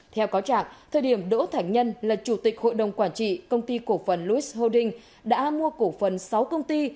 theo cáo chẳng thời điểm đỗ thành nhân là chủ tịch hội đồng quản trị công ty cổ phần louis holdings đã mua cổ phần sáu công ty